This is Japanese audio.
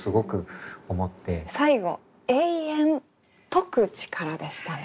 最後「永遠解く力」でしたね。